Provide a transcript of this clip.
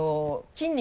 筋肉？